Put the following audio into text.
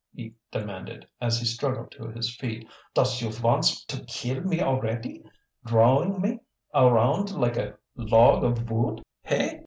he demanded, as he struggled to his feet. "Does you vants to kill me alretty, drowing me aroundt like a log of vood, hey"?